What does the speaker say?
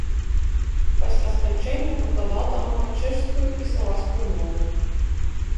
Пасля сканчэння выкладаў тамака чэшскую і славацкую мовы.